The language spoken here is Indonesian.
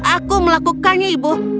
aku melakukannya ibu